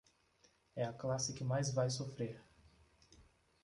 É a classe que mais vai sofrer.